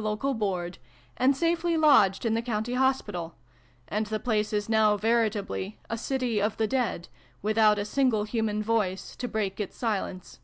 283 Local Board, and safely lodged in the County Hospital : and the place is now veritably ' a city of the dead} without a single human voice to break its silence.